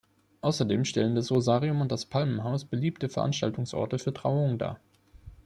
Außerdem stellen das Rosarium und das Palmenhaus beliebte Veranstaltungsorte für Trauungen dar.